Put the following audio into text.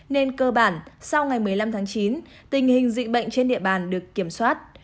nên cơ bản sau ngày một mươi năm tháng chín tình hình dịch bệnh trên địa bàn được kiểm soát